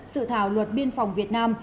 sự thảo luật biên phòng việt nam